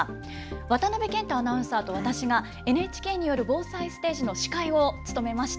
渡辺健太アナウンサーと私がＮＨＫによる防災ステージの司会を務めました。